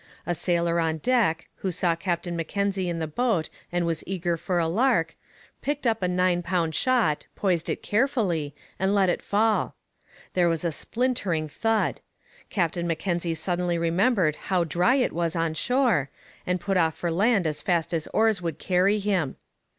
A sailor on deck, who saw Captain Mackenzie in the boat and was eager for a lark, picked up a nine pound shot, poised it carefully, and let it fall. There was a splintering thud. Captain Mackenzie suddenly remembered how dry it was on shore, and put off for land as fast as oars would hurry him.